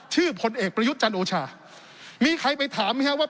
พลเอกประยุทธ์จันโอชามีใครไปถามไหมครับว่า